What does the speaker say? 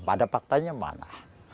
pada faktanya mana